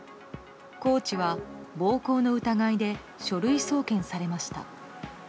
コーチは暴行の疑いで書類送検されました。